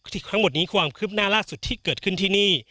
ทั้งหมดนี้ความคืบหน้าล่าสุดที่เกิดขึ้นที่นี่